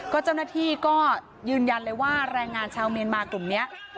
เจ้าหน้าที่ก็ยืนยันเลยว่าแรงงานชาวเมียนมากลุ่มนี้